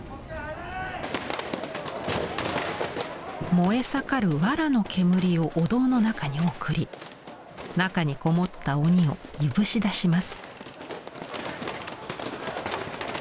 燃え盛るわらの煙をお堂の中に送り中にこもった鬼をいぶし出します。